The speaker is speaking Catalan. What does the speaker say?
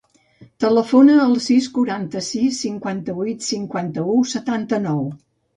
Telefona al sis, quaranta-sis, cinquanta-vuit, cinquanta-u, setanta-nou.